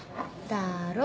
だろ？